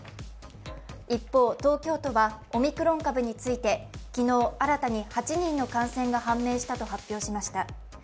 一方、東京都はオミクロン株について昨日、新たに８人の感染が判明したと発表しました。